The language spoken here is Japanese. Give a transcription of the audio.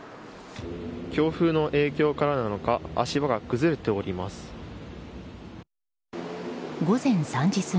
強風の影響からなのか足場が崩れております。